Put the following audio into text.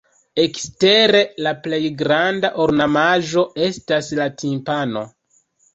Ekstere la plej granda ornamaĵo estas la timpano.